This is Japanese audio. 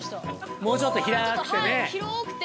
もうちょっと広くて。